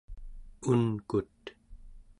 unkut